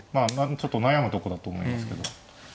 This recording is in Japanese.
ちょっと悩むとこだと思いますけど。